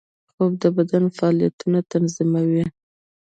خوب د بدن فعالیتونه تنظیموي